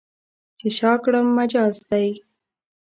چې شا کړم، مجاز دی.